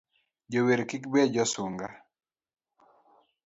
Jower kik bed josunga